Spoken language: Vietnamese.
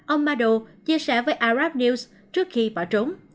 ông madu chia sẻ với arab news trước khi bỏ trốn